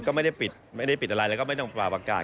ก็ไม่ได้ปิดไม่ได้ปิดอะไรแล้วก็ไม่ต้องปราบอากาศ